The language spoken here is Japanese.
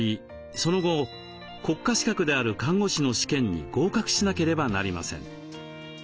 その後国家資格である看護師の試験に合格しなければなりません。